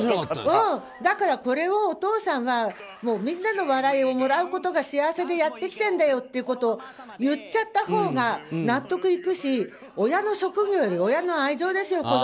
だから、これをお父さんはみんなの笑いをもらうことが幸せでやってきているんだよってことを言っちゃったほうが納得いくし親の職業より親の愛情ですよ。